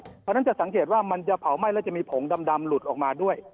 เพราะฉะนั้นจะสังเกตว่ามันจะเผาไหม้แล้วจะมีผงดำหลุดออกมาด้วย